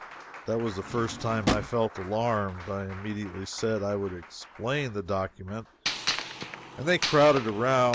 That was the first time I felt alarmed. I immediately said I would explain the document, and they crowded around.